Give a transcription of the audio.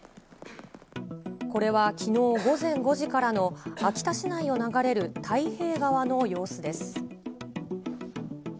これはきのう午前５時からの、秋田市内を流れる太平川の様子です。